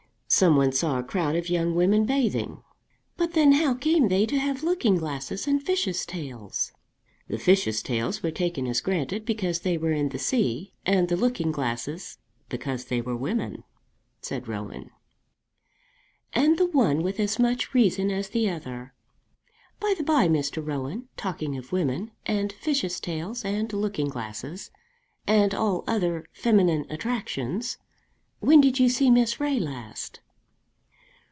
"Some one saw a crowd of young women bathing." "But then how came they to have looking glasses and fishes' tails?" "The fishes' tails were taken as granted because they were in the sea, and the looking glasses because they were women," said Rowan. "And the one with as much reason as the other. By the by, Mr. Rowan, talking of women, and fishes' tails, and looking glasses, and all other feminine attractions, when did you see Miss Ray last?"